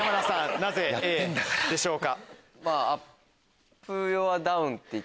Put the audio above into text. なぜＡでしょうか？